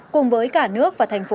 cùng với cả nước và thành phố